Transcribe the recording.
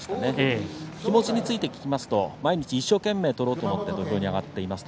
気持ちについて聞くと毎日、一生懸命取ろうと思って土俵に上がっています。